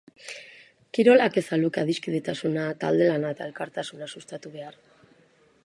Kirolak ez al luke adiskidetasuna, talde lana eta elkartasuna sustatu behar?